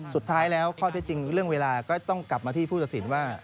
สุดท้ายแล้วข้อเท็จจริงเรื่องเวลาก็ต้องกลับมาที่ผู้ตัดสินว่า